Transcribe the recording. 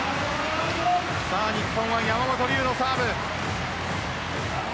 日本は山本龍のサーブ。